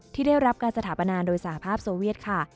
ที่ได้รับการสถาปนาโดยสหภาพโซเวียตค่ะ